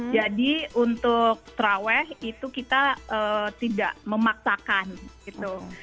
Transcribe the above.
jadi untuk terawih itu kita tidak memaksakan gitu